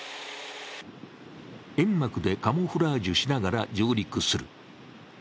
煙幕でカモフラージュしながら上陸する。